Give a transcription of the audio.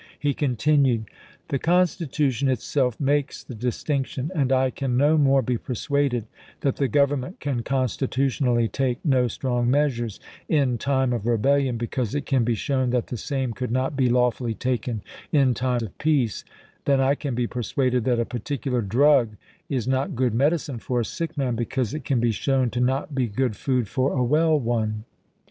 He continued : The Constitution itself makes the distinction, and I can no more be persuaded that the Government can constitutionally take no strong measures in time of rebel lion because it can be shown that the same could not be lawfully taken in time of peace, than I can be persuaded that a particular drug is not good medicine for a sick man because it can be shown to not be good food for a well one.